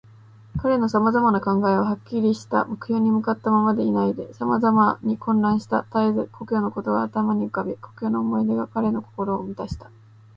彼のさまざまな考えは、はっきりした目標に向ったままでいないで、さまざまに混乱した。たえず故郷のことが頭に浮かび、故郷の思い出が彼の心をみたした。